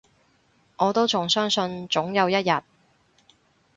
我都仲相信，總有一日